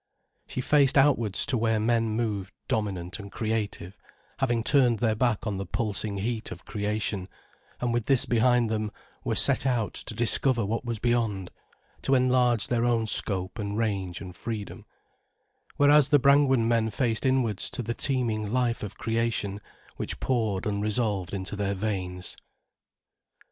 She faced outwards to where men moved dominant and creative, having turned their back on the pulsing heat of creation, and with this behind them, were set out to discover what was beyond, to enlarge their own scope and range and freedom; whereas the Brangwen men faced inwards to the teeming life of creation, which poured unresolved into their veins.